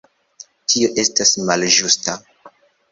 Tio estas malĝusta.